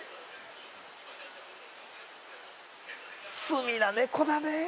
罪な猫だねぇ。